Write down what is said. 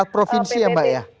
empat provinsi ya mbak ya